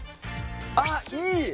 あっいい！